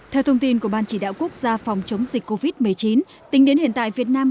theo thông tin của ban chỉ đạo quốc gia phòng chống dịch covid một mươi chín tính đến hiện tại việt nam